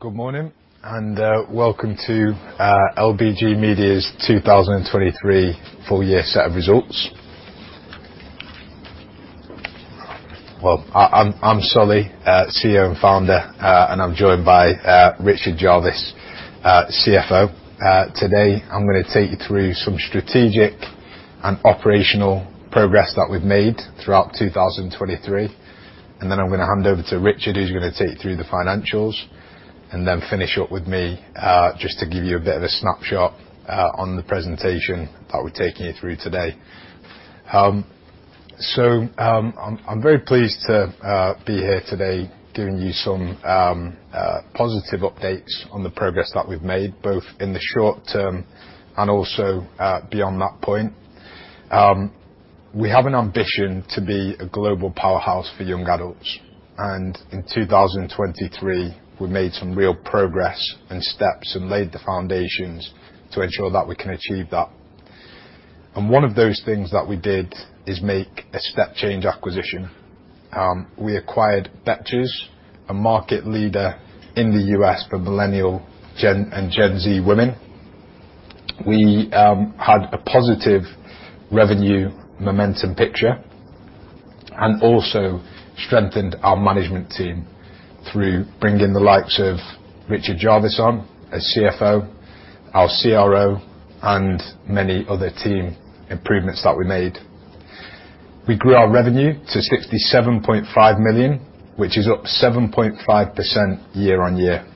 Good morning, and welcome to LBG Media's 2023 full year set of results. I'm Solly, CEO and Founder, and I'm joined by Richard Jarvis, CFO. Today, I'm going to take you through some strategic and operational progress that we've made throughout 2023, and then I'm going to hand over to Richard, who's going to take you through the financials, and then finish up with me just to give you a bit of a snapshot on the presentation that we're taking you through today. I'm very pleased to be here today giving you some positive updates on the progress that we've made, both in the short term and also beyond that point. We have an ambition to be a global powerhouse for young adults, and in 2023, we made some real progress and steps, and laid the foundations to ensure that we can achieve that. One of those things that we did is make a step change acquisition. We acquired Betches, a market leader in the U.S. for millennial and Gen Z women. We had a positive revenue momentum picture, also strengthened our management team through bringing the likes of Richard Jarvis on as CFO, our CRO, and many other team improvements that we made. We grew our revenue to 67.5 million, which is up 7.5% year-on-year.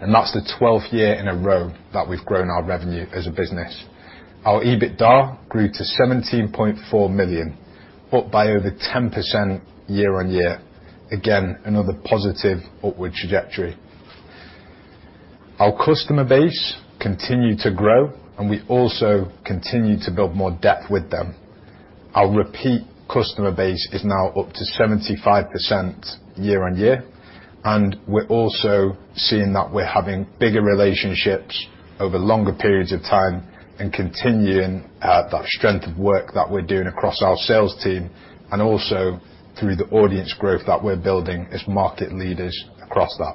That's the 12th year in a row that we've grown our revenue as a business. Our EBITDA grew to 17.4 million, up by over 10% year-on-year. Again, another positive upward trajectory. Our customer base continued to grow, we also continued to build more depth with them. Our repeat customer base is now up to 75% year-on-year. We're also seeing that we're having bigger relationships over longer periods of time and continuing that strength of work that we're doing across our sales team, and also through the audience growth that we're building as market leaders across that.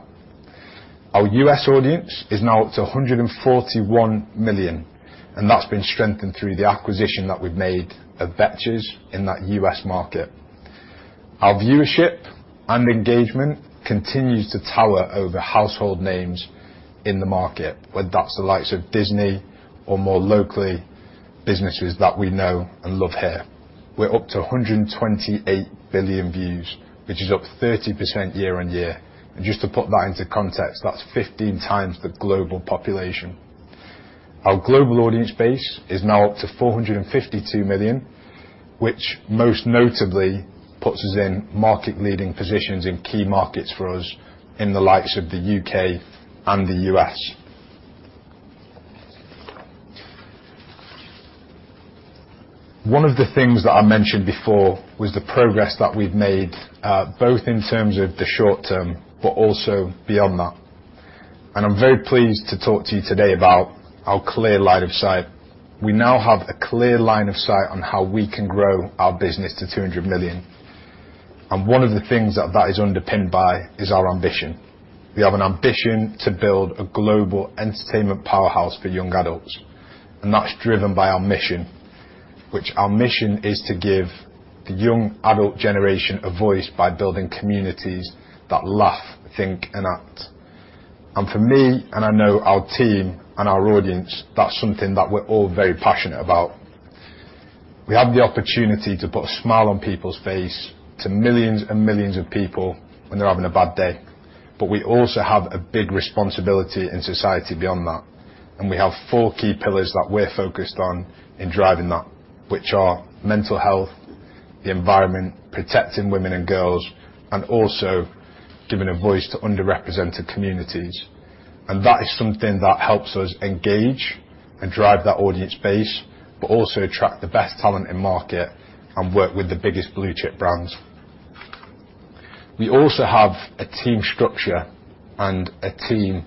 Our U.S. audience is now up to 141 million, and that's been strengthened through the acquisition that we've made of Betches in that U.S. market. Our viewership and engagement continues to tower over household names in the market, whether that's the likes of Disney or more locally, businesses that we know and love here. We're up to 128 billion views, which is up 30% year on year. Just to put that into context, that's 15 times the global population. Our global audience base is now up to 452 million, which most notably puts us in market leading positions in key markets for us in the likes of the U.K. and the U.S. One of the things that I mentioned before was the progress that we've made, both in terms of the short term, but also beyond that. I'm very pleased to talk to you today about our clear line of sight. We now have a clear line of sight on how we can grow our business to 200 million. One of the things that is underpinned by is our ambition. We have an ambition to build a global entertainment powerhouse for young adults, and that's driven by our mission. Our mission is to give the young adult generation a voice by building communities that laugh, think, and act. For me, and I know our team and our audience, that's something that we're all very passionate about. We have the opportunity to put a smile on people's face to millions and millions of people when they're having a bad day. We also have a big responsibility in society beyond that, and we have four key pillars that we're focused on in driving that, which are mental health, the environment, protecting women and girls, and also giving a voice to underrepresented communities. That is something that helps us engage and drive that audience base, but also attract the best talent in market and work with the biggest blue chip brands. We also have a team structure and a team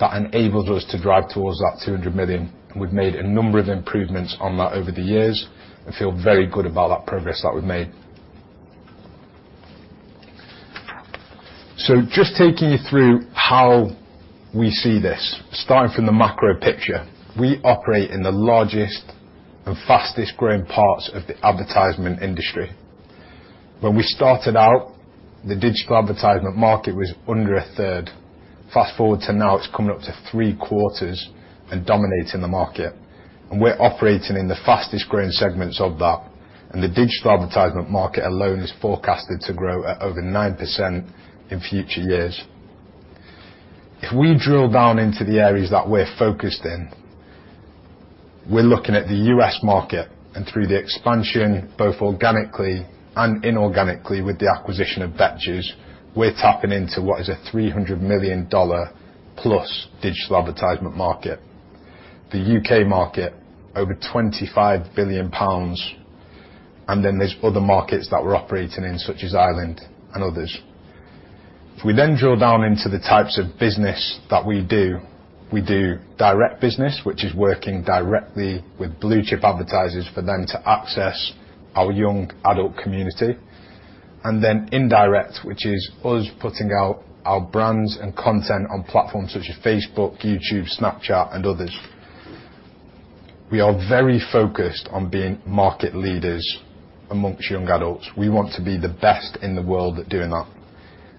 that enables us to drive towards that 200 million. We've made a number of improvements on that over the years, and feel very good about that progress that we've made. Just taking you through how we see this, starting from the macro picture. We operate in the largest and fastest growing parts of the advertisement industry. When we started out, the digital advertisement market was under a third. Fast-forward to now, it's coming up to three quarters. Dominating the market, we're operating in the fastest growing segments of that. The digital advertisement market alone is forecasted to grow at over 9% in future years. If we drill down into the areas that we're focused in, we're looking at the U.S. market, through the expansion, both organically and inorganically, with the acquisition of Betches, we're tapping into what is a $300 million+ digital advertisement market. The U.K. market, over 25 billion pounds. There's other markets that we're operating in, such as Ireland and others. If we drill down into the types of business that we do. We do direct business, which is working directly with blue-chip advertisers for them to access our young adult community. Indirect, which is us putting out our brands and content on platforms such as Facebook, YouTube, Snapchat, and others. We are very focused on being market leaders amongst young adults. We want to be the best in the world at doing that.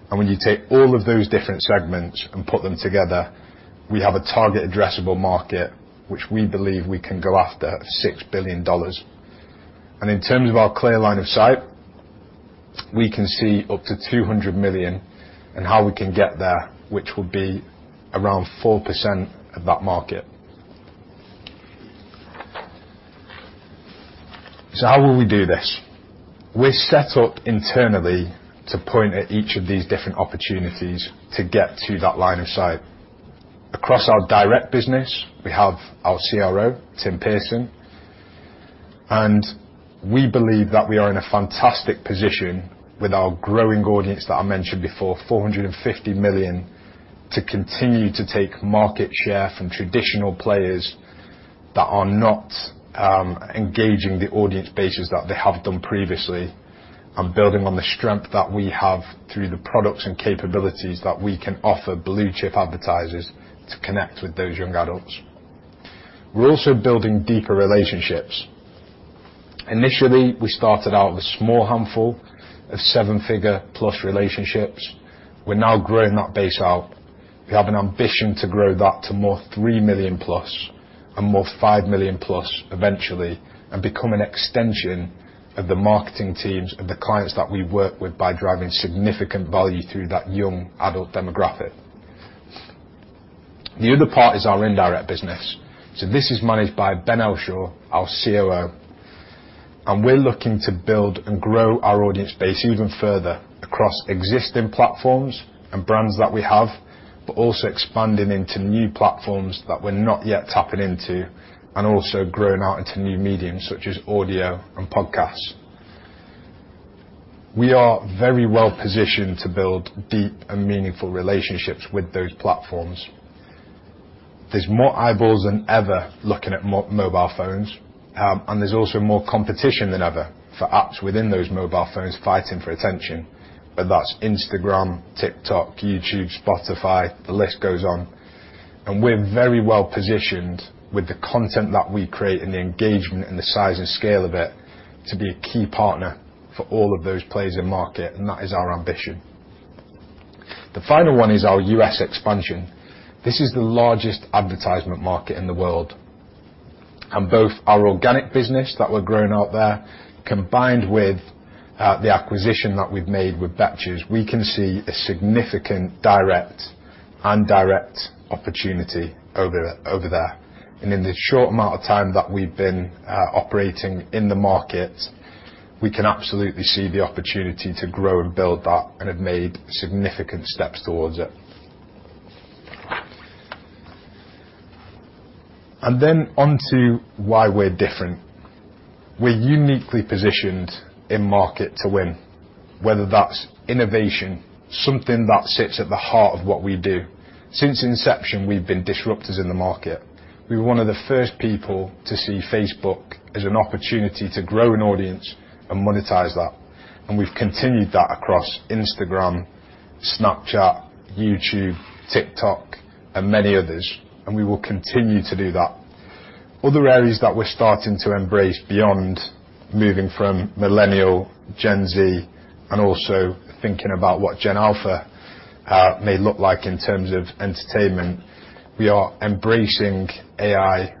When you take all of those different segments and put them together, we have a target addressable market, which we believe we can go after at GBP 6 billion. In terms of our clear line of sight, we can see up to 200 million in how we can get there, which would be around 4% of that market. How will we do this? We're set up internally to point at each of these different opportunities to get to that line of sight. Across our direct business, we have our CRO, Tim Pearson, and we believe that we are in a fantastic position with our growing audience that I mentioned before, 450 million, to continue to take market share from traditional players that are not engaging the audience bases that they have done previously, and building on the strength that we have through the products and capabilities that we can offer blue-chip advertisers to connect with those young adults. We're also building deeper relationships. Initially, we started out with a small handful of seven-figure plus relationships. We're now growing that base out. We have an ambition to grow that to more 3 million+ and more 5 million+ eventually, and become an extension of the marketing teams and the clients that we work with by driving significant value through that young adult demographic. The other part is our indirect business. This is managed by Ben Elshaw, our COO, and we're looking to build and grow our audience base even further across existing platforms and brands that we have, but also expanding into new platforms that we're not yet tapping into, and also growing out into new mediums such as audio and podcasts. We are very well-positioned to build deep and meaningful relationships with those platforms. There's more eyeballs than ever looking at mobile phones. There's also more competition than ever for apps within those mobile phones fighting for attention, whether that's Instagram, TikTok, YouTube, Spotify, the list goes on. We're very well-positioned with the content that we create and the engagement and the size and scale of it to be a key partner for all of those players in-market. That is our ambition. The final one is our U.S. expansion. This is the largest advertisement market in the world, and both our organic business that we're growing out there, combined with the acquisition that we've made with Betches, we can see a significant direct and indirect opportunity over there. In the short amount of time that we've been operating in the market, we can absolutely see the opportunity to grow and build that and have made significant steps towards it. On to why we're different. We're uniquely positioned in-market to win, whether that's innovation, something that sits at the heart of what we do. Since inception, we've been disruptors in the market. We were one of the first people to see Facebook as an opportunity to grow an audience and monetize that, and we've continued that across Instagram, Snapchat, YouTube, TikTok, and many others, and we will continue to do that. Other areas that we're starting to embrace beyond moving from millennial, Gen Z, and also thinking about what Gen Alpha may look like in terms of entertainment, we are embracing AI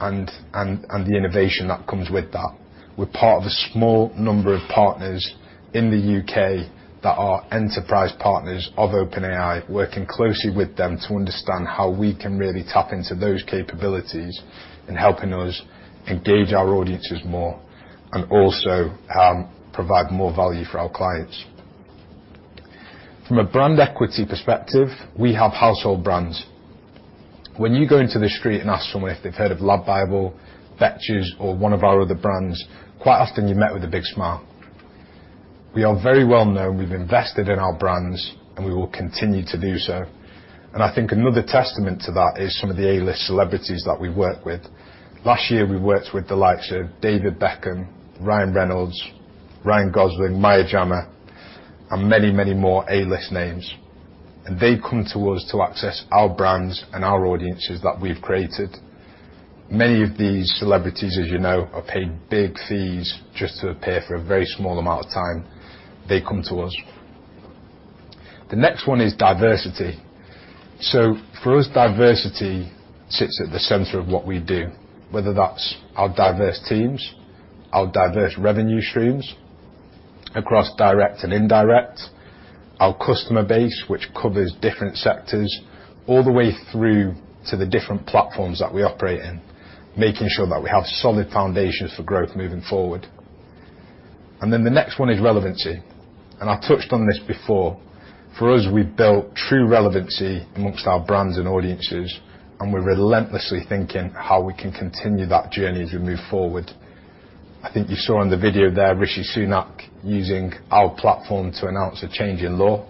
and the innovation that comes with that. We're part of a small number of partners in the U.K. that are enterprise partners of OpenAI, working closely with them to understand how we can really tap into those capabilities in helping us engage our audiences more and also provide more value for our clients. From a brand equity perspective, we have household brands. When you go into the street and ask someone if they've heard of LADbible, Betches, or one of our other brands, quite often you're met with a big smile. We are very well-known. We've invested in our brands, and we will continue to do so. I think another testament to that is some of the A-list celebrities that we work with. Last year, we worked with the likes of David Beckham, Ryan Reynolds, Ryan Gosling, Maya Jama, and many, many more A-list names. They come to us to access our brands and our audiences that we've created. Many of these celebrities, as you know, are paid big fees just to appear for a very small amount of time. They come to us. The next one is diversity. For us, diversity sits at the center of what we do, whether that's our diverse teams, our diverse revenue streams across direct and indirect, our customer base, which covers different sectors, all the way through to the different platforms that we operate in, making sure that we have solid foundations for growth moving forward. The next one is relevancy, and I touched on this before. For us, we've built true relevancy amongst our brands and audiences, and we're relentlessly thinking how we can continue that journey as we move forward. I think you saw in the video there, Rishi Sunak using our platform to announce a change in law.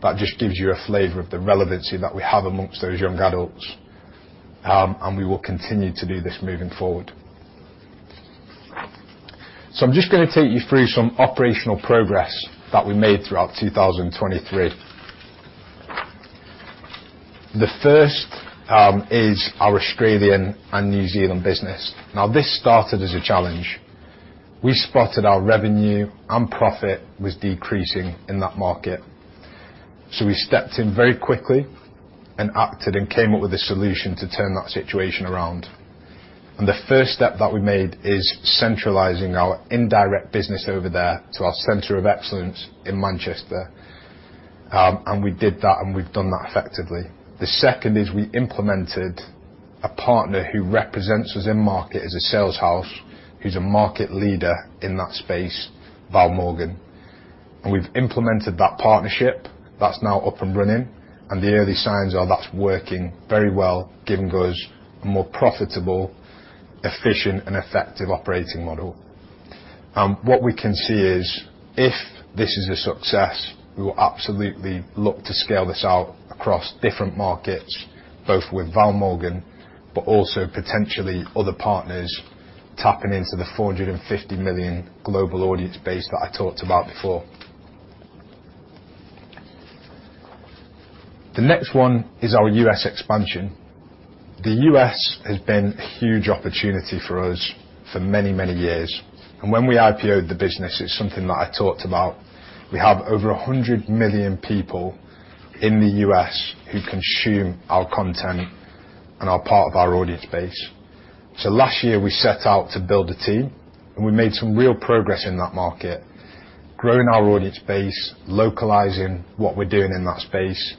That just gives you a flavor of the relevancy that we have amongst those young adults, we will continue to do this moving forward. I'm just going to take you through some operational progress that we made throughout 2023. The first is our Australian and New Zealand business. This started as a challenge. We spotted our revenue and profit was decreasing in that market. We stepped in very quickly and acted and came up with a solution to turn that situation around. The first step that we made is centralizing our indirect business over there to our center of excellence in Manchester. We did that, and we've done that effectively. The second is we implemented a partner who represents us in market as a sales house, who's a market leader in that space, Val Morgan. We've implemented that partnership. That's now up and running, and the early signs are that's working very well, giving us a more profitable, efficient, and effective operating model. What we can see is if this is a success, we will absolutely look to scale this out across different markets, both with Val Morgan, but also potentially other partners tapping into the 450 million global audience base that I talked about before. The next one is our U.S. expansion. The U.S. has been a huge opportunity for us for many, many years. When we IPO'd the business, it's something that I talked about. We have over 100 million people in the U.S. who consume our content and are part of our audience base. Last year, we set out to build a team, and we made some real progress in that market, growing our audience base, localizing what we're doing in that space,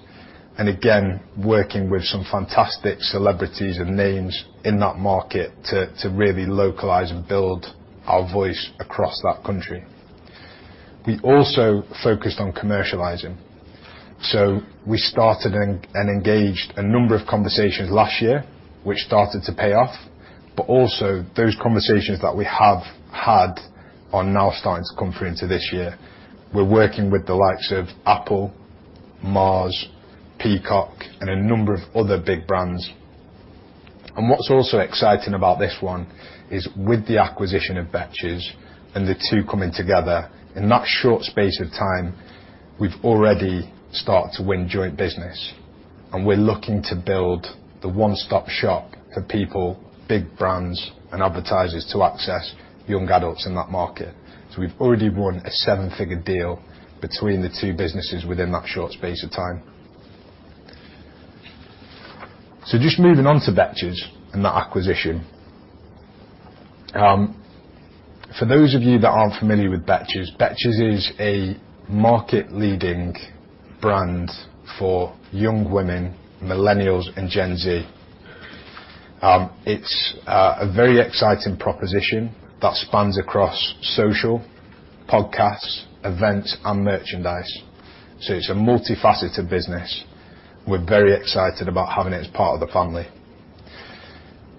and again, working with some fantastic celebrities and names in that market to really localize and build our voice across that country. We also focused on commercializing. We started and engaged a number of conversations last year, which started to pay off. Also those conversations that we have had are now starting to come through into this year. We're working with the likes of Apple, Mars, Peacock, and a number of other big brands. What's also exciting about this one is with the acquisition of Betches and the two coming together, in that short space of time, we've already started to win joint business. We're looking to build the one-stop shop for people, big brands, and advertisers to access young adults in that market. We've already won a seven-figure deal between the two businesses within that short space of time. Just moving on to Betches and that acquisition. For those of you that aren't familiar with Betches is a market-leading brand for young women, millennials, and Gen Z. It's a very exciting proposition that spans across social, podcasts, events, and merchandise. It's a multifaceted business. We're very excited about having it as part of the family.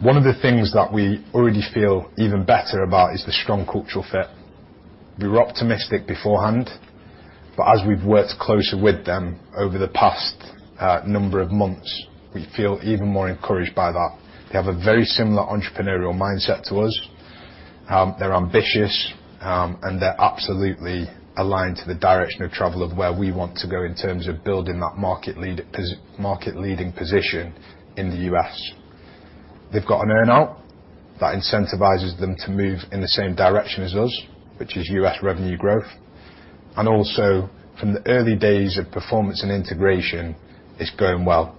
One of the things that we already feel even better about is the strong cultural fit. We were optimistic beforehand, but as we've worked closer with them over the past number of months, we feel even more encouraged by that. They have a very similar entrepreneurial mindset to us. They're ambitious, and they're absolutely aligned to the direction of travel of where we want to go in terms of building that market-leading position in the U.S. They've got an earn-out that incentivizes them to move in the same direction as us, which is U.S. revenue growth. From the early days of performance and integration, it's going well.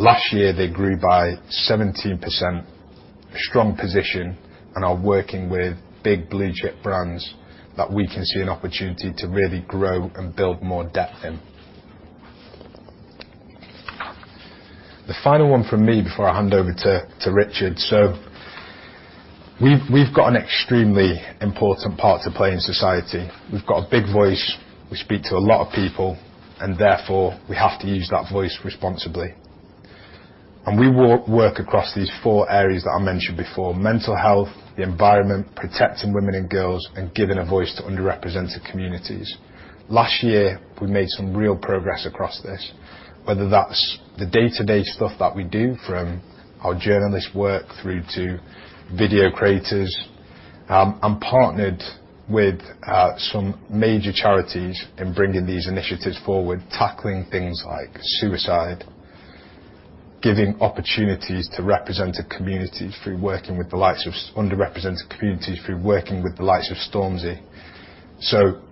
Last year, they grew by 17%, a strong position, and are working with big blue-chip brands that we can see an opportunity to really grow and build more depth in. The final one from me before I hand over to Richard. We've got an extremely important part to play in society. We've got a big voice. We speak to a lot of people, therefore we have to use that voice responsibly. We work across these four areas that I mentioned before, mental health, the environment, protecting women and girls, and giving a voice to underrepresented communities. Last year, we made some real progress across this, whether that's the day-to-day stuff that we do from our journalist work through to video creators, and partnered with some major charities in bringing these initiatives forward, tackling things like suicide, giving opportunities to underrepresented communities through working with the likes of Stormzy.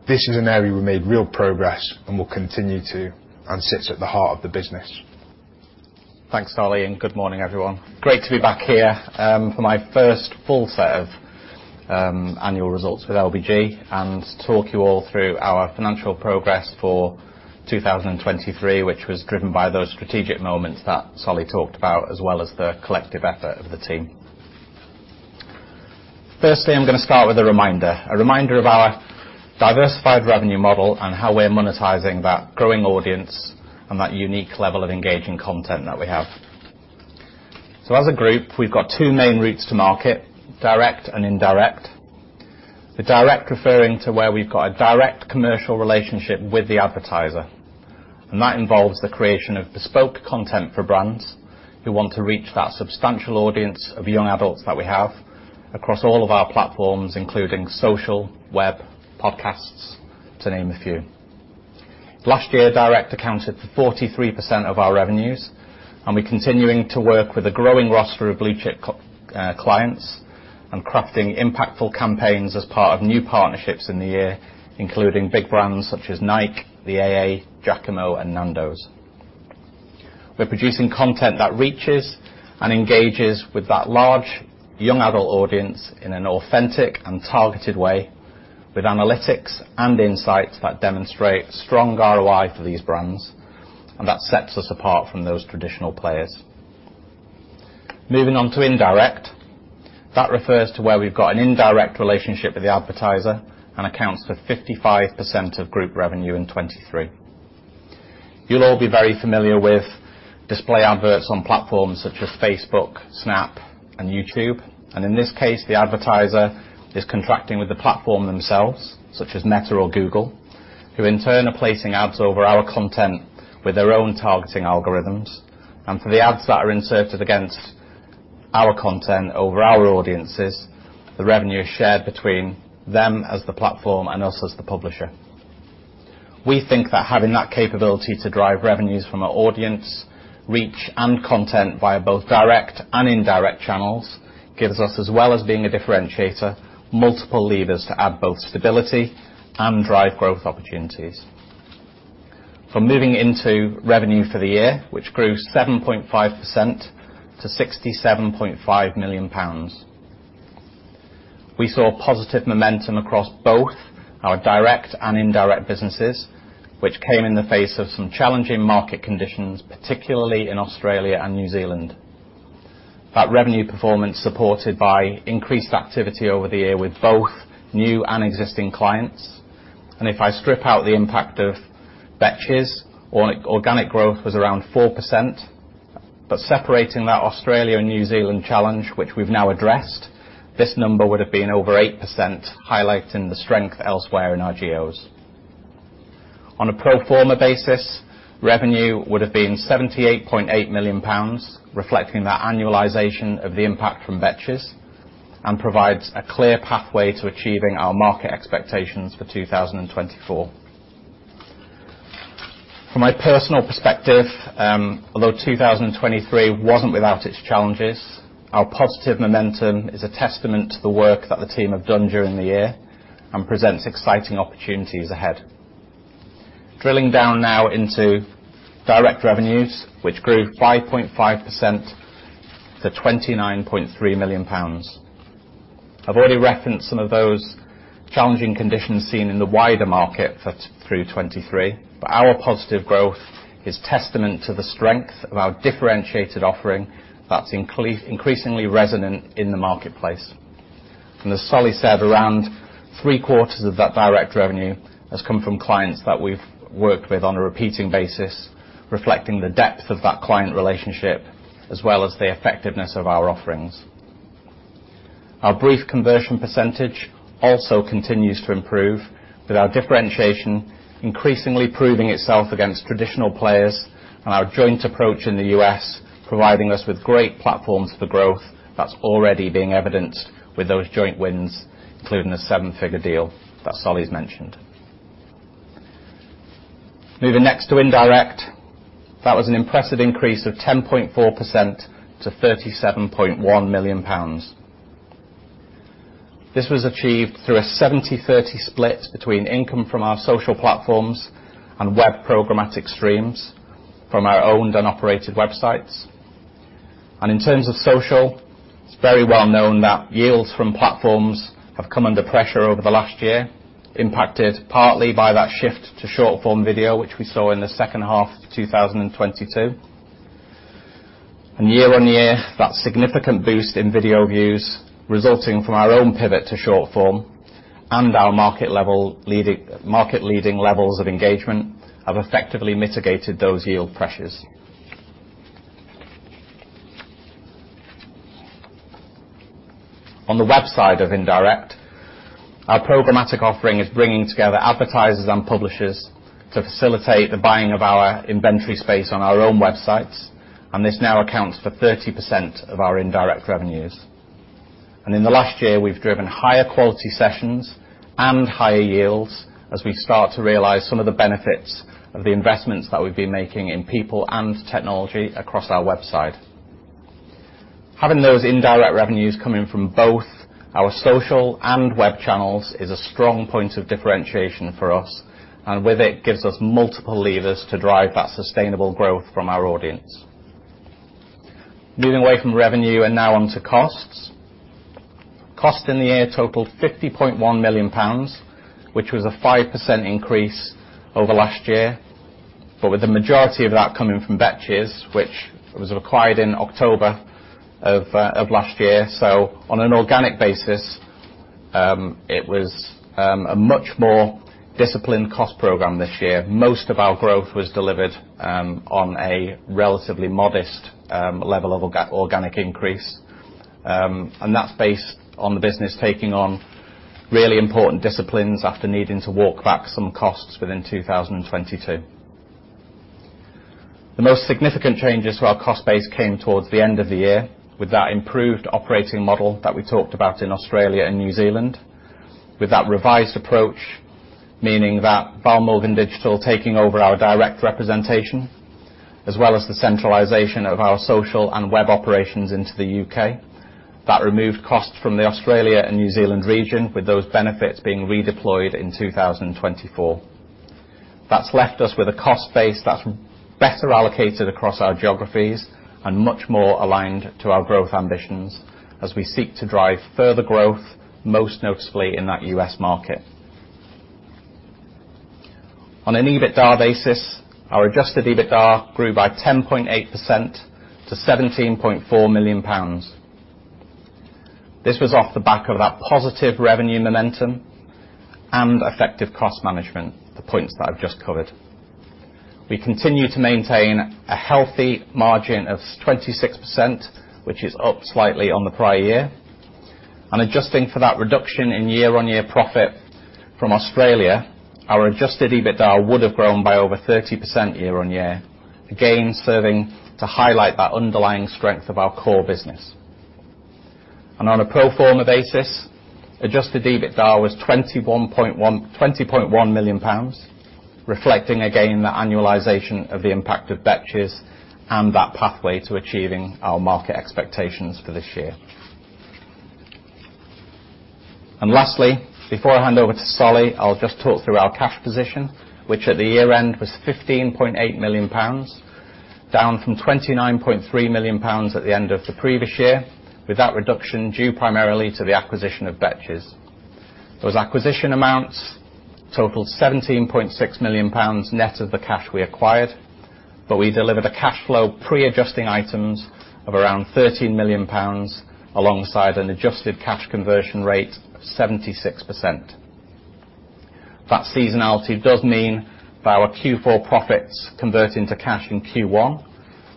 This is an area we made real progress and will continue to and sits at the heart of the business. Thanks, Solly. Good morning, everyone. Great to be back here for my first full set of annual results with LBG and to talk you all through our financial progress for 2023, which was driven by those strategic moments that Solly talked about, as well as the collective effort of the team. Firstly, I'm going to start with a reminder, a reminder of our diversified revenue model and how we're monetizing that growing audience and that unique level of engaging content that we have. As a group, we've got two main routes to market, direct and indirect. The direct referring to where we've got a direct commercial relationship with the advertiser, that involves the creation of bespoke content for brands who want to reach that substantial audience of young adults that we have across all of our platforms, including social, web, podcasts, to name a few. Last year, direct accounted for 43% of our revenues, and we're continuing to work with a growing roster of blue-chip clients and crafting impactful campaigns as part of new partnerships in the year, including big brands such as Nike, The AA, Jacamo, and Nando's. We're producing content that reaches and engages with that large young adult audience in an authentic and targeted way, with analytics and insights that demonstrate strong ROI for these brands, and that sets us apart from those traditional players. Moving on to indirect. That refers to where we've got an indirect relationship with the advertiser and accounts for 55% of group revenue in 2023. You'll all be very familiar with display adverts on platforms such as Facebook, Snap, and YouTube. In this case, the advertiser is contracting with the platform themselves, such as Meta or Google, who in turn are placing ads over our content with their own targeting algorithms. For the ads that are inserted against our content over our audiences, the revenue is shared between them as the platform and us as the publisher. We think that having that capability to drive revenues from our audience, reach, and content via both direct and indirect channels gives us, as well as being a differentiator, multiple levers to add both stability and drive growth opportunities. From moving into revenue for the year, which grew 7.5% to 67.5 million pounds. We saw positive momentum across both our direct and indirect businesses, which came in the face of some challenging market conditions, particularly in Australia and New Zealand. That revenue performance supported by increased activity over the year with both new and existing clients. If I strip out the impact of Betches, organic growth was around 4%. Separating that Australia and New Zealand challenge, which we've now addressed, this number would have been over 8%, highlighting the strength elsewhere in our geos. On a pro forma basis, revenue would have been 78.8 million pounds, reflecting that annualization of the impact from Betches, and provides a clear pathway to achieving our market expectations for 2024. From my personal perspective, although 2023 wasn't without its challenges, our positive momentum is a testament to the work that the team have done during the year and presents exciting opportunities ahead. Drilling down now into direct revenues, which grew 5.5% to 29.3 million pounds. I've already referenced some of those challenging conditions seen in the wider market through 2023, but our positive growth is testament to the strength of our differentiated offering that's increasingly resonant in the marketplace. As Solly said, around three quarters of that direct revenue has come from clients that we've worked with on a repeating basis, reflecting the depth of that client relationship as well as the effectiveness of our offerings. Our brief conversion percentage also continues to improve, with our differentiation increasingly proving itself against traditional players, and our joint approach in the U.S. providing us with great platforms for growth that's already being evidenced with those joint wins, including the seven-figure deal that Solly's mentioned. Moving next to indirect, that was an impressive increase of 10.4% to 37.1 million pounds. This was achieved through a 70/30 split between income from our social platforms and web programmatic streams from our owned and operated websites. In terms of social, it's very well known that yields from platforms have come under pressure over the last year, impacted partly by that shift to short-form video, which we saw in the second half of 2022. Year-over-year, that significant boost in video views resulting from our own pivot to short-form and our market-leading levels of engagement have effectively mitigated those yield pressures. On the web side of indirect, our programmatic offering is bringing together advertisers and publishers to facilitate the buying of our inventory space on our own websites, and this now accounts for 30% of our indirect revenues. In the last year, we've driven higher quality sessions and higher yields as we start to realize some of the benefits of the investments that we've been making in people and technology across our website. Having those indirect revenues coming from both our social and web channels is a strong point of differentiation for us, and with it, gives us multiple levers to drive that sustainable growth from our audience. Moving away from revenue and now onto costs. Cost in the year totaled 50.1 million pounds, which was a 5% increase over last year. With the majority of that coming from Betches, which was acquired in October of last year. On an organic basis, it was a much more disciplined cost program this year. Most of our growth was delivered on a relatively modest level of organic increase. That's based on the business taking on really important disciplines after needing to walk back some costs within 2022. The most significant changes to our cost base came towards the end of the year with that improved operating model that we talked about in Australia and New Zealand, with that revised approach meaning that Val Morgan Digital taking over our direct representation, as well as the centralization of our social and web operations into the U.K. That removed costs from the Australia and New Zealand region, with those benefits being redeployed in 2024. That's left us with a cost base that's better allocated across our geographies and much more aligned to our growth ambitions as we seek to drive further growth, most notably in that U.S. market. On an EBITDA basis, our adjusted EBITDA grew by 10.8% to 17.4 million pounds. This was off the back of that positive revenue momentum and effective cost management, the points that I've just covered. We continue to maintain a healthy margin of 26%, which is up slightly on the prior year. Adjusting for that reduction in year-on-year profit from Australia, our adjusted EBITDA would have grown by over 30% year-on-year, again, serving to highlight that underlying strength of our core business. On a pro forma basis, adjusted EBITDA was 20.1 million pounds, reflecting again the annualization of the impact of Betches and that pathway to achieving our market expectations for this year. Lastly, before I hand over to Solly, I'll just talk through our cash position, which at the year-end was 15.8 million pounds, down from 29.3 million pounds at the end of the previous year, with that reduction due primarily to the acquisition of Betches. Those acquisition amounts totaled 17.6 million pounds net of the cash we acquired, but we delivered a cash flow pre-adjusting items of around 13 million pounds alongside an adjusted cash conversion rate of 76%. That seasonality does mean that our Q4 profits convert into cash in Q1,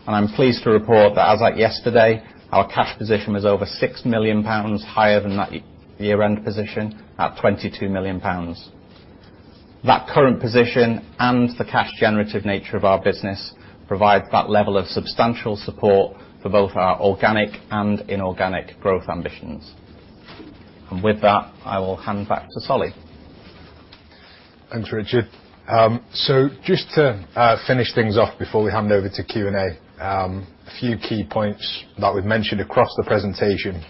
and I'm pleased to report that as at yesterday, our cash position was over 6 million pounds higher than that year-end position at 22 million pounds. That current position and the cash generative nature of our business provide that level of substantial support for both our organic and inorganic growth ambitions. With that, I will hand back to Solly. Thanks, Richard. Just to finish things off before we hand over to Q&A, a few key points that we've mentioned across the presentation.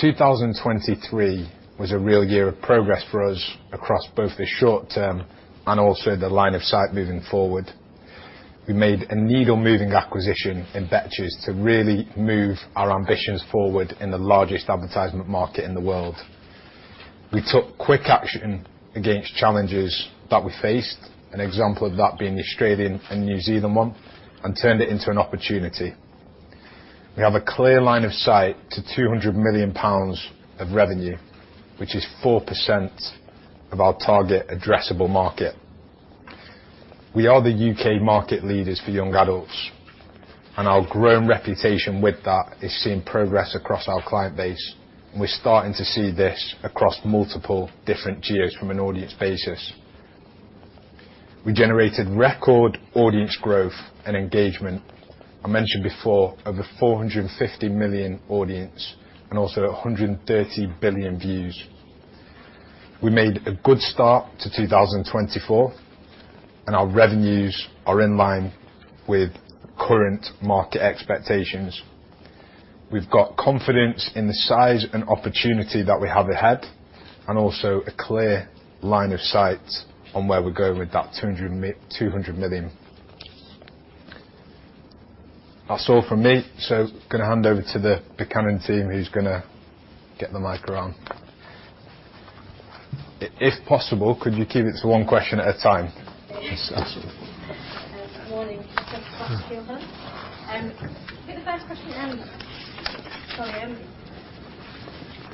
2023 was a real year of progress for us across both the short term and also the line of sight moving forward. We made a needle moving acquisition in Betches to really move our ambitions forward in the largest advertisement market in the world. We took quick action against challenges that we faced, an example of that being the Australian and New Zealand one, and turned it into an opportunity. We have a clear line of sight to 200 million pounds of revenue, which is 4% of our target addressable market. We are the U.K. market leaders for young adults, and our growing reputation with that is seeing progress across our client base, and we're starting to see this across multiple different geos from an audience basis. We generated record audience growth and engagement. I mentioned before, over 450 million audience and also 130 billion views. We made a good start to 2024 and our revenues are in line with current market expectations. We've got confidence in the size and opportunity that we have ahead, and also a clear line of sight on where we go with that 200 million. That's all from me, so gonna hand over to the Buchanan team who's gonna get the mic around. If possible, could you keep it to one question at a time? Morning. Thanks for that, Solly. The first question, you touched on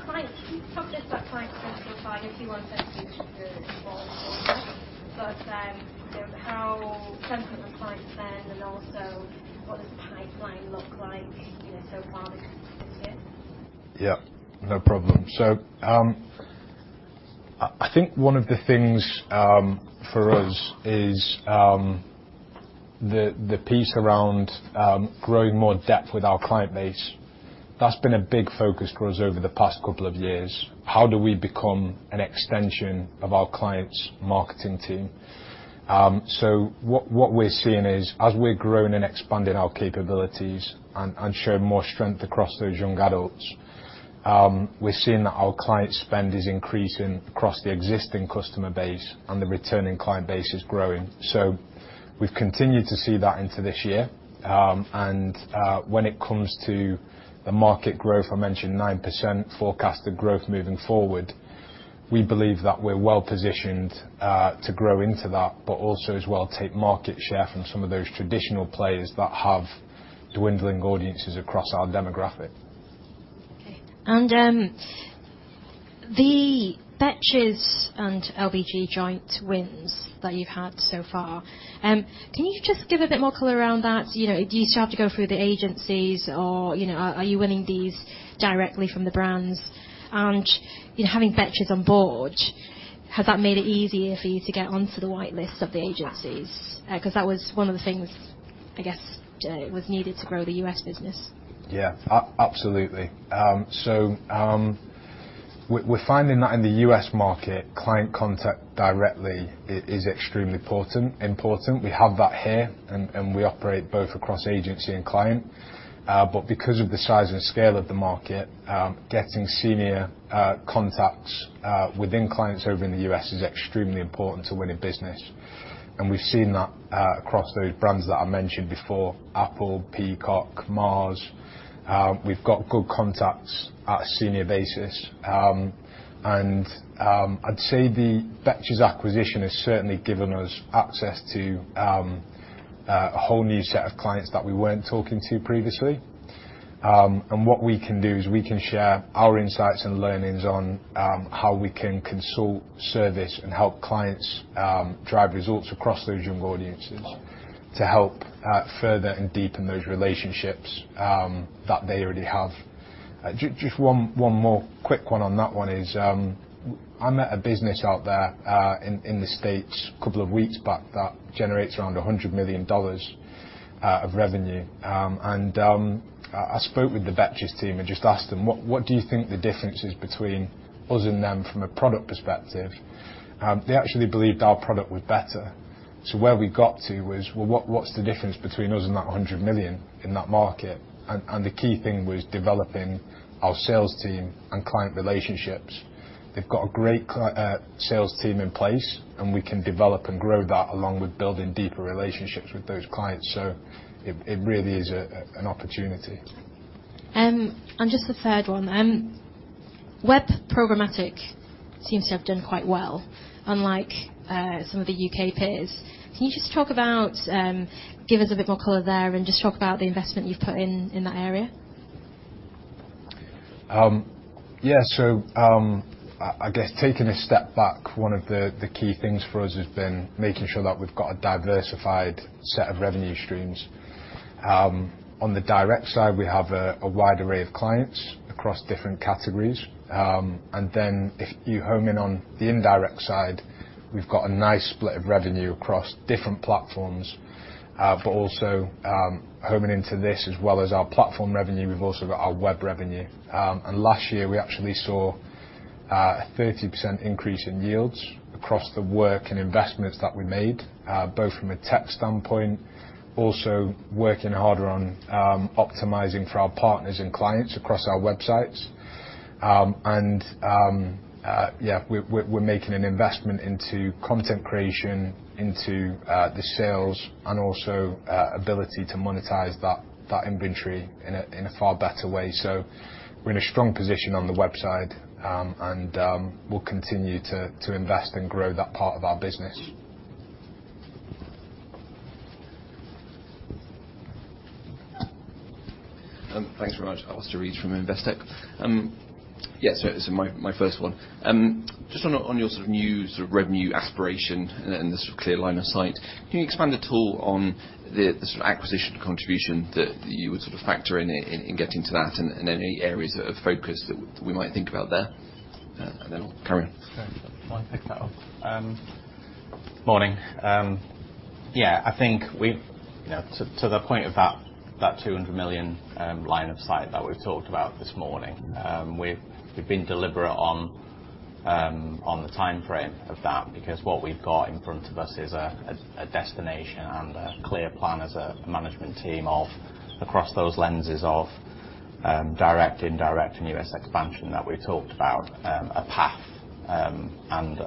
client spend a little bit, if you want to, you can respond more. How central the client spend and also what does client planning look like so far into this year? Yeah, no problem. I think one of the things for us is the piece around growing more depth with our client base. That's been a big focus for us over the past couple of years. How do we become an extension of our client's marketing team? What we're seeing is, as we've grown and expanded our capabilities and shown more strength across those young adults, we're seeing that our client spend is increasing across the existing customer base and the returning client base is growing. We've continued to see that into this year. When it comes to the market growth, I mentioned 9% forecasted growth moving forward. We believe that we're well-positioned to grow into that, but also as well take market share from some of those traditional players that have dwindling audiences across our demographic. The Betches and LBG joint wins that you've had so far, can you just give a bit more color around that? Do you start to go through the agencies or are you winning these directly from the brands? You having Betches on board, has that made it easier for you to get onto the white list of the agencies? Because that was one of the things, I guess, it was needed to grow the U.S. business. Absolutely. We're finding that in the U.S. market, client contact directly is extremely important. We have that here, we operate both across agency and client. Because of the size and scale of the market, getting senior contacts within clients over in the U.S. is extremely important to winning business. We've seen that across those brands that I mentioned before, Apple, Peacock, Mars. We've got good contacts at senior basis. I'd say the Betches acquisition has certainly given us access to a whole new set of clients that we weren't talking to previously. What we can do is we can share our insights and learnings on how we can consult, service, and help clients drive results across those young audiences to help further and deepen those relationships that they already have. I met a business out there in the U.S. a couple of weeks back that generates around $100 million of revenue. I spoke with the Betches team and just asked them, "What do you think the difference is between us and them from a product perspective?" They actually believed our product was better. Where we got to was, well, what's the difference between us and that $100 million in that market? The key thing was developing our sales team and client relationships. They've got a great sales team in place, and we can develop and grow that along with building deeper relationships with those clients. It really is an opportunity. Just the third one. Web programmatic seems to have done quite well, unlike some of the U.K. peers. Can you just give us a bit more color there and just talk about the investment you've put in that area? Yeah. I guess taking a step back, one of the key things for us has been making sure that we've got a diversified set of revenue streams. On the direct side, we have a wide array of clients across different categories. If you home in on the indirect side, we've got a nice split of revenue across different platforms. Also homing into this as well as our platform revenue, we've also got our web revenue. Last year we actually saw a 30% increase in yields across the work and investments that we made, both from a tech standpoint, also working harder on optimizing for our partners and clients across our websites. We're making an investment into content creation, into the sales, and also ability to monetize that inventory in a far better way. We're in a strong position on the web side, and we'll continue to invest and grow that part of our business. Thanks very much. Alastair Reid from Investec. Yeah. This is my first one. Just on your sort of new revenue aspiration and the sort of clear line of sight, can you expand at all on the sort of acquisition contribution that you would sort of factor in in getting to that and any areas that are focused that we might think about there? I'll pick that up. Morning. I think to the point of that 200 million line of sight that we've talked about this morning, we've been deliberate on the timeframe of that because what we've got in front of us is a destination and a clear plan as a management team of across those lenses of direct, indirect and U.S. expansion that we talked about, a path and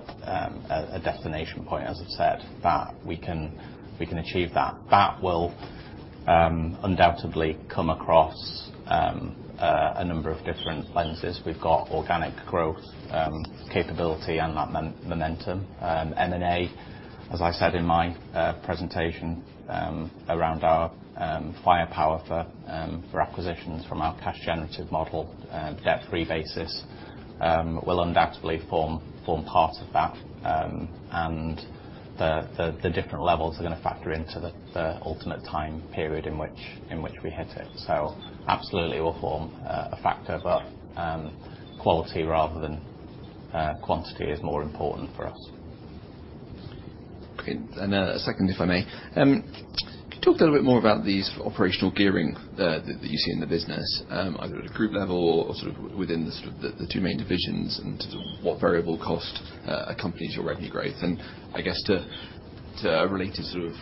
a destination point, as I said, that we can achieve that. That will undoubtedly come across a number of different lenses. We've got organic growth capability and that momentum. M&A, as I said in my presentation around our firepower for acquisitions from our cash generative model, debt-free basis will undoubtedly form part of that. The different levels are going to factor into the ultimate time period in which we hit it. Absolutely will form a factor, but quality rather than quantity is more important for us. Okay. Secondly, for me, can you talk a little bit more about these operational gearing that you see in the business, either at a group level or sort of within the two main divisions and sort of what variable cost accompanies your revenue growth? I guess to relate a sort of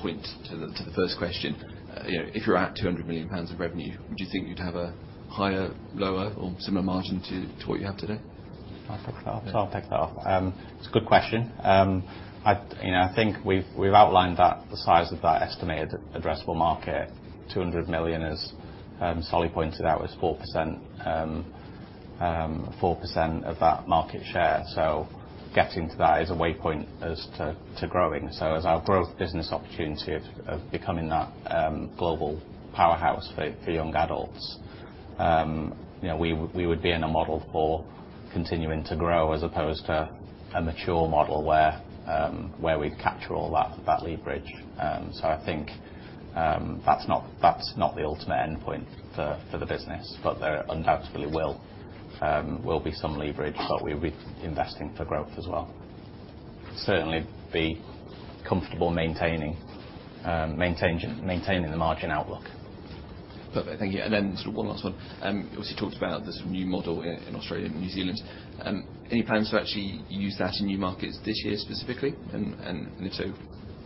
point to the first question, if you're at 200 million pounds of revenue, would you think you'd have a higher, lower, or similar margin to what you have today? I'll take that. It's a good question. I think we've outlined that the size of that estimated addressable market, 200 million, as Solly pointed out, was 4% of that market share. Getting to that is a way point as to growing. As our growth business opportunity of becoming that global powerhouse for young adults, we would be in a model for continuing to grow as opposed to a mature model where we capture all that leverage. I think that's not the ultimate endpoint for the business, but there undoubtedly will be some leverage, but we'll be investing for growth as well. We'll certainly be comfortable maintaining the margin outlook. Thank you. Sort of one last one. Obviously, you talked about this new model in Australia and New Zealand. Any plans to actually use that in new markets this year specifically, and if so,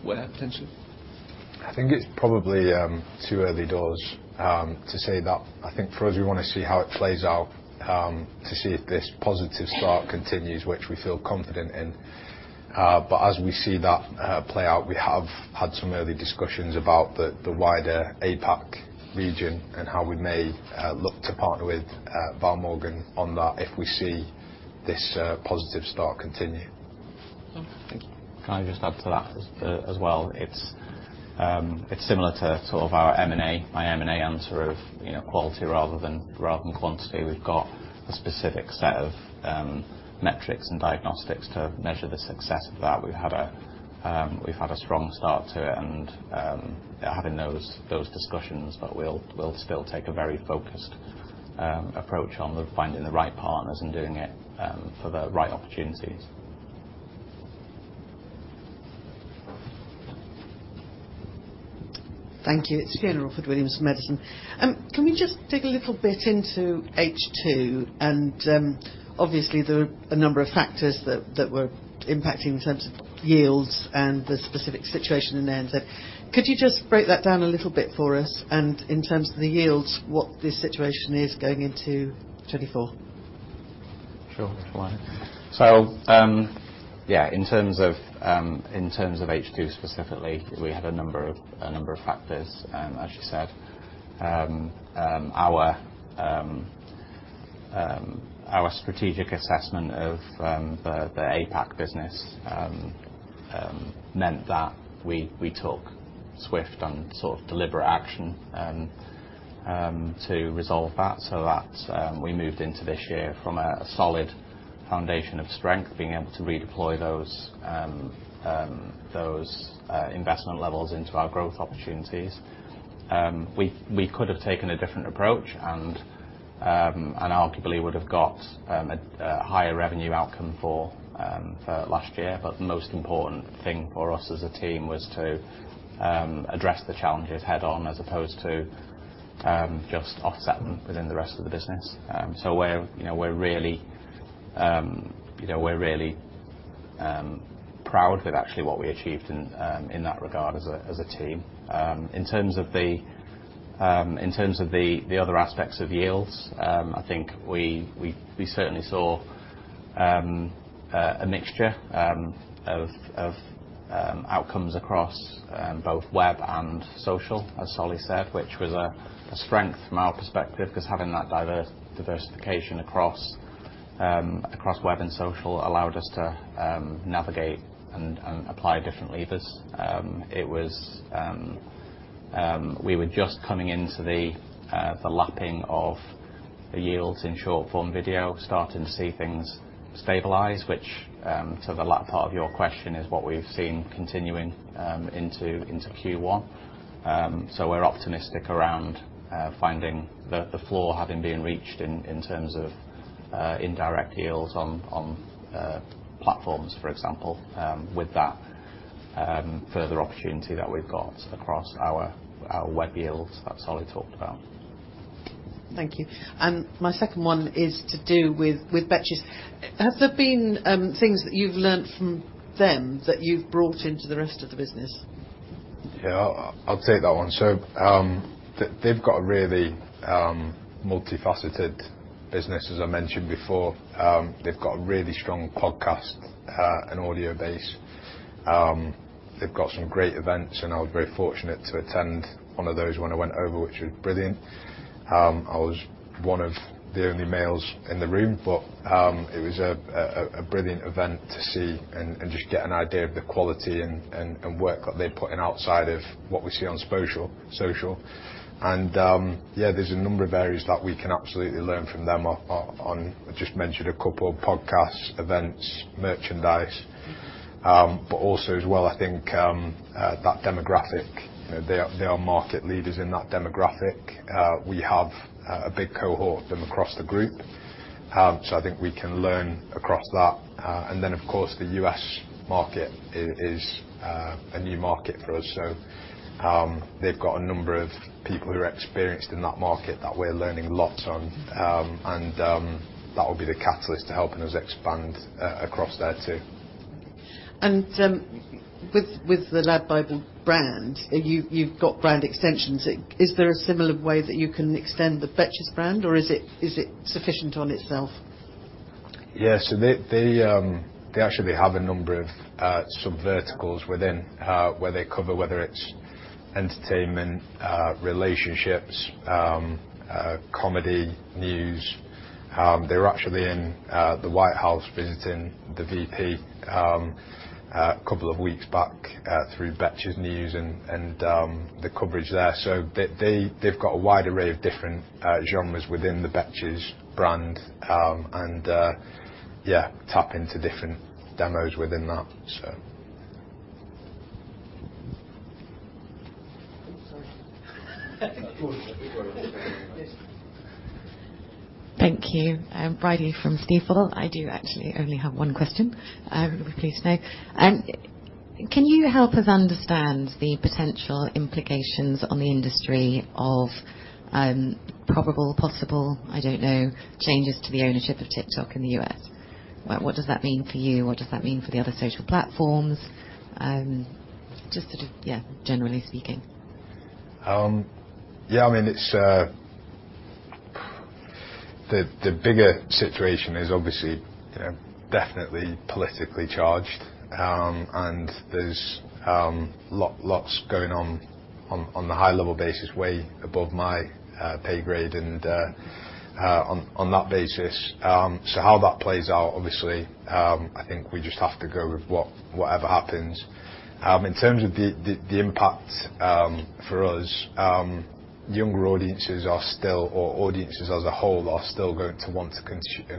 where potentially? I think it's probably too early doors to say that. I think for us, we want to see how it plays out, to see if this positive start continues, which we feel confident in. As we see that play out, we have had some early discussions about the wider APAC region and how we may look to partner with Val Morgan on that if we see this positive start continue. Thank you. Can I just add to that as well? It's similar to sort of my M&A answer of quality rather than quantity. We've got a specific set of metrics and diagnostics to measure the success of that. We've had a strong start to it and having those discussions, but we'll still take a very focused approach on finding the right partners and doing it for the right opportunities. Thank you. It's Fiona Orford-Williams from Edison. Can we just dig a little bit into H2? Obviously, there were a number of factors that were impacting in terms of yields and the specific situation in there. Could you just break that down a little bit for us, and in terms of the yields, what the situation is going into 2024? Sure. Yeah, in terms of H2 specifically, we had a number of factors, as you said. Our strategic assessment of the APAC business meant that we took swift and sort of deliberate action to resolve that, so that we moved into this year from a solid foundation of strength, being able to redeploy those investment levels into our growth opportunities. We could have taken a different approach, arguably would have got a higher revenue outcome for last year. The most important thing for us as a team was to address the challenges head on as opposed to just offset them within the rest of the business. We're really proud of actually what we achieved in that regard as a team. In terms of the other aspects of yields, I think we certainly saw a mixture of outcomes across both web and social, as Solly said, which was a strength from our perspective, because having that diversification across web and social allowed us to navigate and apply different levers. We were just coming into the lapping of the yields in short-form video, starting to see things stabilize, which to the latter part of your question, is what we've seen continuing into Q1. We're optimistic around finding the floor having been reached in terms of indirect yields on platforms, for example, with that further opportunity that we've got across our web yields, as Solly talked about. Thank you. My second one is to do with Betches. Has there been things that you've learned from them that you've brought into the rest of the business? Yeah. I'll take that one. They've got a really multifaceted business, as I mentioned before. They've got a really strong podcast and audio base. They've got some great events, and I was very fortunate to attend one of those when I went over, which was brilliant. I was one of the only males in the room, but it was a brilliant event to see and just get an idea of the quality and work that they put in outside of what we see on social. Yeah, there's a number of areas that we can absolutely learn from them on. I just mentioned a couple, podcasts, events, merchandise. Also as well, I think that demographic, they are market leaders in that demographic. We have a big cohort of them across the group, so I think we can learn across that. Of course, the U.S. market is a new market for us, so they've got a number of people who are experienced in that market that we're learning lots on, and that'll be the catalyst to helping us expand across there too. With the LADbible brand, you've got brand extensions. Is there a similar way that you can extend the Betches brand, or is it sufficient on itself? They actually have a number of subverticals within where they cover whether it's entertainment, relationships, comedy, news. They were actually in the White House visiting the VP a couple of weeks back through Betches news and the coverage there. They've got a wide array of different genres within the Betches brand, and tap into different demos within that. Oh, sorry. Thank you. I do actually only have one question with you today. Can you help us understand the potential implications on the industry of probable, possible, I don't know, changes to the ownership of TikTok in the U.S.? What does that mean for you? What does that mean for the other social platforms? Just yeah, generally speaking. The bigger situation is obviously definitely politically charged. There's lots going on a high-level basis way above my pay grade and on that basis. How that plays out, obviously, I think we just have to go with whatever happens. In terms of the impact for us, younger audiences are still, or audiences as a whole are still going to want to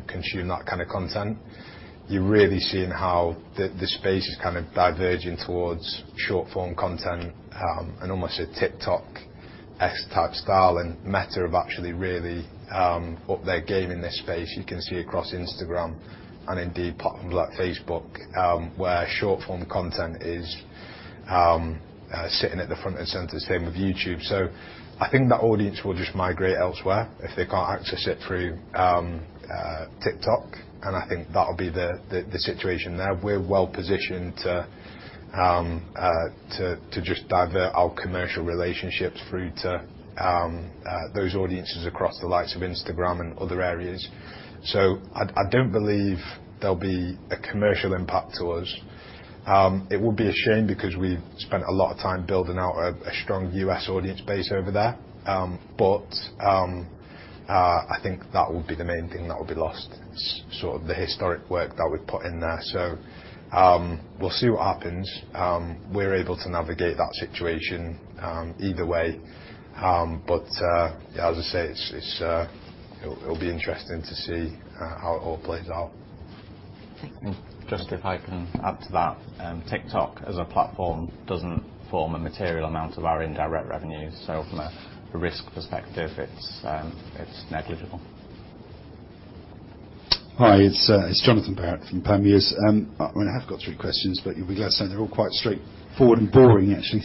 consume that kind of content. You're really seeing how the space is kind of diverging towards short-form content, and almost a TikTok-esque style, and Meta have actually really upped their game in this space. You can see across Instagram and indeed platforms like Facebook, where short-form content is sitting at the front and center, same with YouTube. I think that audience will just migrate elsewhere if they can't access it through TikTok, and I think that'll be the situation there. We're well-positioned to just divert our commercial relationships through to those audiences across the likes of Instagram and other areas. I don't believe there'll be a commercial impact to us. It would be a shame because we've spent a lot of time building out a strong U.S. audience base over there. I think that would be the main thing that would be lost. It's sort of the historic work that we put in there. We'll see what happens. We're able to navigate that situation either way. As I say, it'll be interesting to see how it all plays out. Just if I can add to that, TikTok as a platform doesn't form a material amount of our indirect revenue. From a risk perspective, it's negligible. Hi, it's Jonathan Barrett from Panmure Gordon. I mean, I have got three questions, as you said, they're all quite straightforward and boring actually.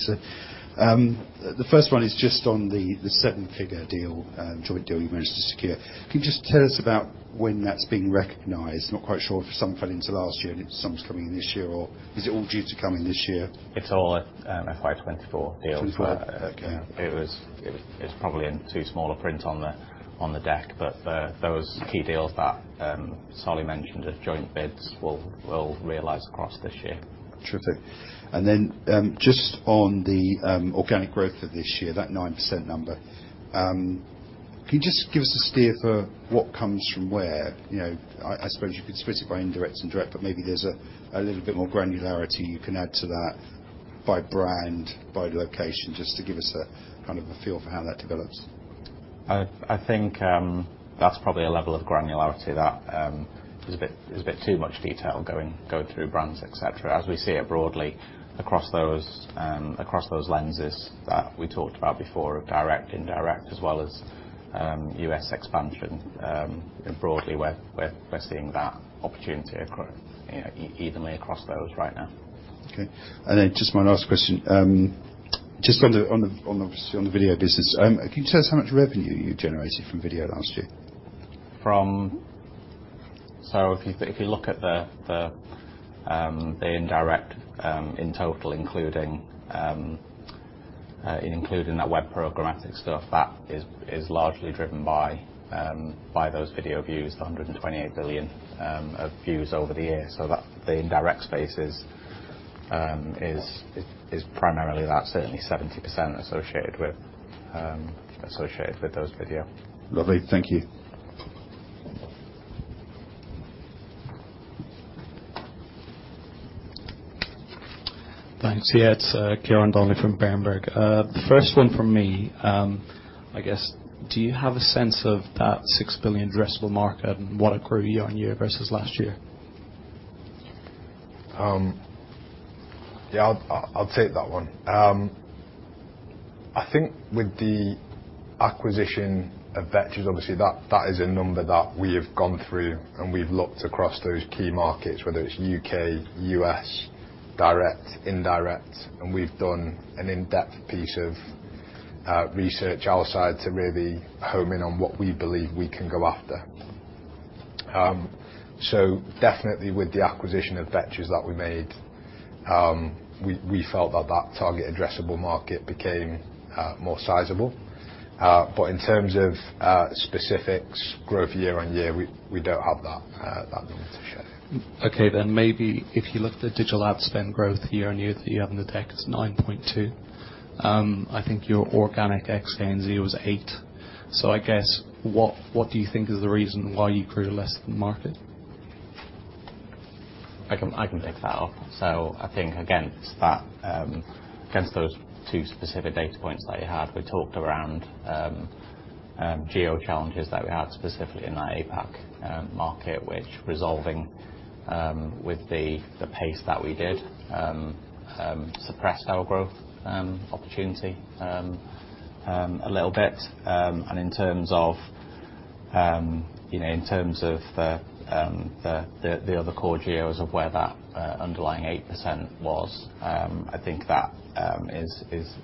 The first one is just on the seven-figure deal joint deal youve managed to secure. Can you just tell us about when that's being recognized? Not quite sure if some fell into last year and some is coming this year, or is it all due to come in this year? It's all FY 2024 deals. Okay. where it's probably in too small a print on the deck. Those key deals that Solly mentioned as joint bids we'll realize across this year. Terrific. Just on the organic growth for this year, that 9% number. Can you just give us a steer for what comes from where? I suppose you could specify indirect and direct, but maybe there's a little bit more granularity you can add to that by brand, by location, just to give us kind of a feel for how that develops. I think that's probably a level of granularity that is a bit too much detail going through brands, et cetera. As we see it broadly across those lenses that we talked about before of direct, indirect as well as U.S. expansion. Broadly, we're seeing that opportunity either way across those right now. Okay. Just my last question. Just on the video business. Can you tell us how much revenue you generated from video last year? If you look at the indirect in total including that web programmatic stuff, that is largely driven by those video views, the 128 billion of views over the year. The indirect space is primarily that, certainly 70% associated with those video. Lovely. Thank you. Thanks. Yeah, it's Ciarán Donnelly from Berenberg. The first one from me. I guess, do you have a sense of that 6 billion addressable market and what it could be on year versus last year? Yeah, I'll take that one. I think with the acquisition of Betches, obviously, that is a number that we have gone through, and we've looked across those key markets, whether it's U.K., U.S., direct, indirect, and we've done an in-depth piece of research outside to really home in on what we believe we can go after. Definitely with the acquisition of Betches that we made, we felt that target addressable market became more sizable. In terms of specifics growth year-over-year, we don't have that number to share. Okay, maybe if you look at the digital ad spend growth year-over-year at the end of the deck, it's 9.2%. I think your organic in ANZ was 8%. I guess, what do you think is the reason why you grew less than market? I can take that off. I think against those two specific data points that you have, we talked around geo challenges that we had specifically in that APAC market, which resolving with the pace that we did suppressed our growth opportunity a little bit. In terms of the other core geos of where that underlying 8% was, I think that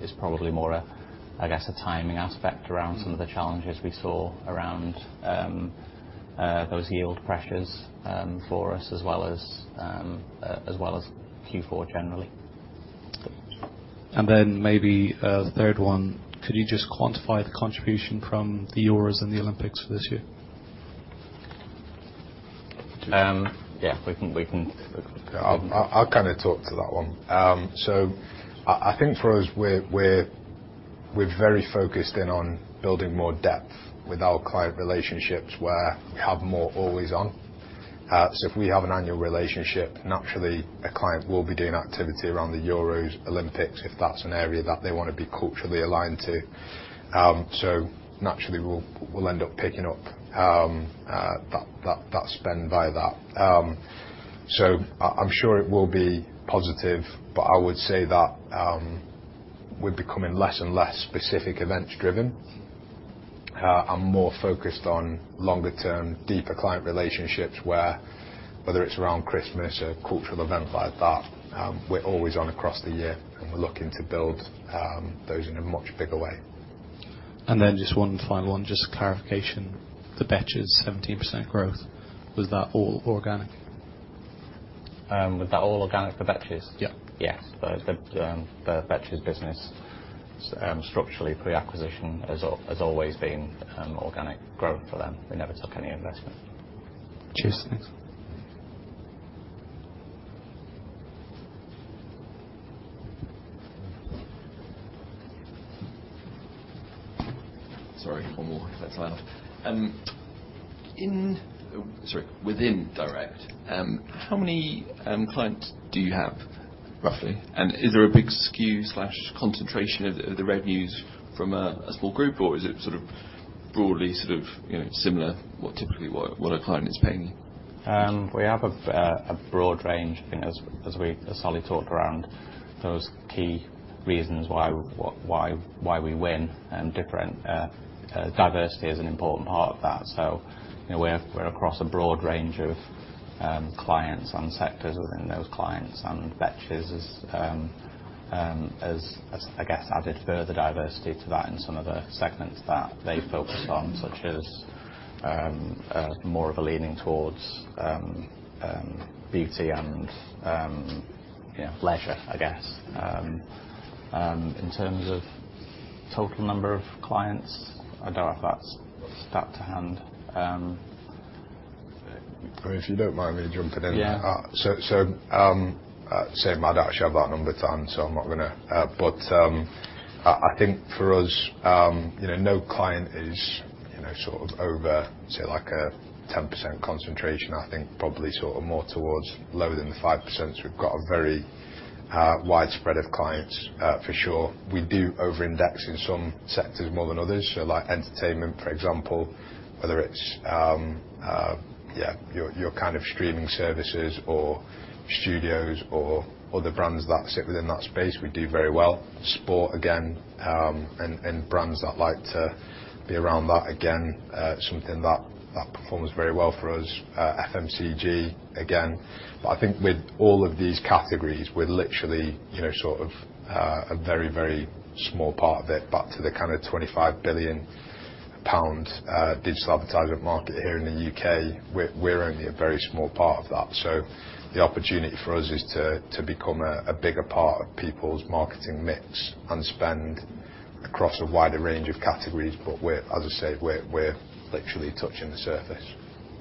is probably more, I guess, a timing aspect around some of the challenges we saw around those yield pressures for us as well as Q4 generally. Maybe a third one, could you just quantify the contribution from the Euros and the Olympics for this year? Yeah, we can. I'll kind of talk to that one. I think for us, we're very focused in on building more depth with our client relationships where we have more always on. If we have an annual relationship, naturally a client will be doing activity around the Euros, Olympics, if that's an area that they want to be culturally aligned to. Naturally we'll end up picking up that spend by that. I'm sure it will be positive, but I would say that we're becoming less and less specific event driven, and more focused on longer term deeper client relationships where whether it's around Christmas or cultural event like that, we're always on across the year and we're looking to build those in a much bigger way. Just one final one, just clarification. The Betches 17% growth, was that all organic? Was that all organic for Betches? Yeah. The Betches business structurally pre-acquisition has always been organic growth for them. We never took any investment. Cheers. Sorry, one more if that's allowed. Within direct, how many clients do you have roughly? Is there a big skew or concentration of the revenues from a small group or is it sort of broadly sort of similar what typically what a client is paying? We have a broad range, as Solly talked around those key reasons why we win and different diversity is an important part of that. We're across a broad range of clients and sectors within those clients and Betches has I guess added further diversity to that in some of the segments that they focused on, such as more of a leaning towards beauty and leisure, I guess. In terms of total number of clients, I don't have that stat to hand. If you don't mind me jumping in. Yeah. I'd actually have that number to hand, so I'm not going to. I think for us, no client is sort of over, say like a 10% concentration. I think probably sort of more towards lower than 5%. We've got a very wide spread of clients for sure. We do over-index in some sectors more than others. Like entertainment, for example, whether it's your kind of streaming services or studios or other brands that sit within that space, we do very well. Sport again, and brands that like to be around that again, something that performs very well for us. FMCG again. I think with all of these categories, we're literally sort of a very small part of it back to the kind of 25 billion pound digital advertising market here in the U.K. We're only a very small part of that. The opportunity for us is to become a bigger part of people's marketing mix and spend across a wider range of categories. As I say, we're literally touching the surface.